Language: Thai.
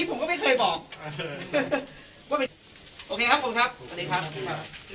โอเคครับขอบคุณครับ